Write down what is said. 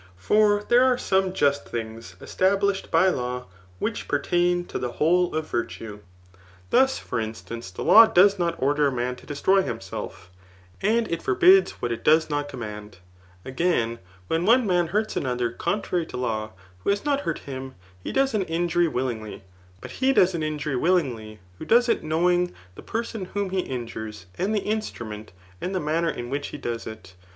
For there are some just things established by law, which pertain to the whole of virtue. Thus, for instance, th^ law does not order a man to d^stpdy himself; and it forbids what Digitized by Google 199 THE NICOM ACHEAN BOOlt V#. h does not command. Again, when one man hurts ano^ tber omtrary to law, who has not hurt him, he does an injury willingly; but he does an injury willingly, who does it knowing the person whom he injures^ and the instrument, and the manner in which he does it.